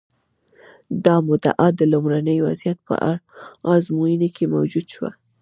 دا مدعا د لومړني وضعیت په ازموینو کې موجه شوه.